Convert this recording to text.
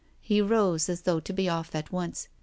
He rose as though to be off at once.